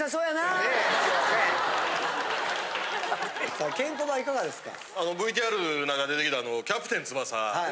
さあケンコバいかがですか？